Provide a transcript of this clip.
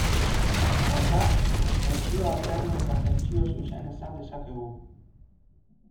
Hortaz, tentsio alterno eta tentsio zuzen esan dezakegu.